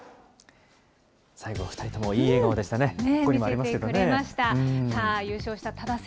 最後、２人ともいい笑顔でしたね。